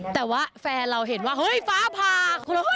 แต่ว่าแฟนเราเห็นว่าเฮ้ยฟ้าผ่า